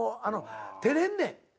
あのてれんねん。